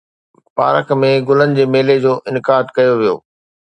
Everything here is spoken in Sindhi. پارڪ ۾ گلن جي ميلي جو انعقاد ڪيو ويو